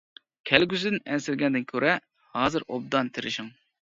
كەلگۈسىدىن ئەنسىرىگەندىن كۆرە، ھازىر ئوبدان تىرىشىڭ.